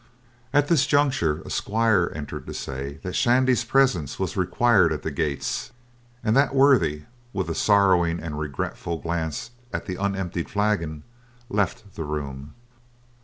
At this juncture, a squire entered to say that Shandy's presence was required at the gates, and that worthy, with a sorrowing and regretful glance at the unemptied flagon, left the room.